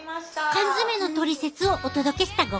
缶詰のトリセツをお届けしたご家族。